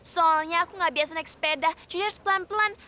soalnya aku nggak biasa naik sepeda jadi harus pelan pelan